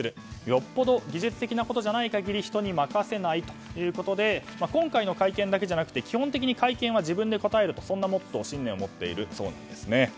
よっぽど技術的なことじゃない限り人に任せないということで今回の会見だけじゃなくて基本的に会見は自分で答えるという信念をもっているそうなんです。